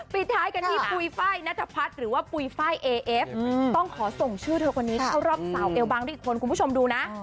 ปีท้ายกันที่ปุ๋ยฝ้ายนาตราผัสหรือว่าปุ๋ยฝ้ายไอฟต้องขอส่งชื่นเธอรอบเสาร์เกมบังข้ำดูนะ